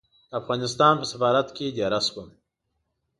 د افغانستان په سفارت کې دېره شوم.